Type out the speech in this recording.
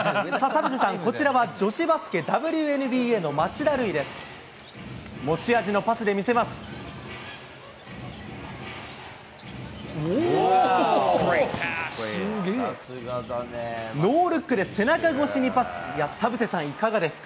田臥さん、こちらは女子バスケＷＮＢＡの町田瑠唯です。